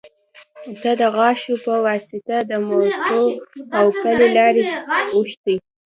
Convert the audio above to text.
ته د غاښو يه واسطه د موټو او پلې لارې اوښتي